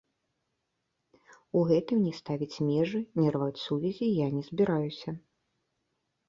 У гэтым ні ставіць межы, ні рваць сувязі я не збіраюся.